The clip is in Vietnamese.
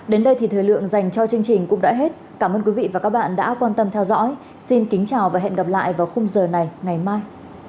đến đây thì thời lượng dành cho chương trình cũng đã hết cảm ơn quý vị và các bạn đã quan tâm theo dõi xin kính chào và hẹn gặp lại vào khung giờ này ngày mai